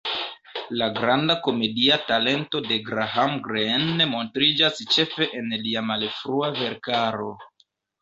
La granda komedia talento de Graham Greene montriĝas ĉefe en lia malfrua verkaro.